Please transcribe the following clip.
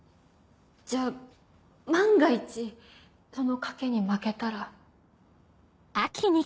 じゃあ万が一その賭けに負けたら。